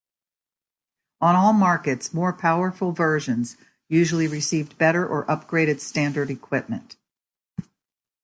On all markets more powerful versions usually received better or upgraded standard equipment.